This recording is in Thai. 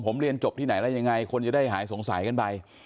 ผมเรียนจบที่ไหนได้ยังไงคนจะได้หายสงสัยกันไป